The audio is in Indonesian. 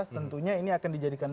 tentunya ini akan dijadikan